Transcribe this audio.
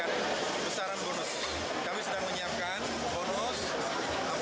kami sudah menyiapkan bonus